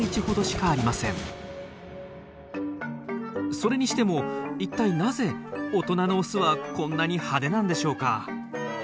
それにしても一体なぜ大人のオスはこんなに派手なんでしょうか？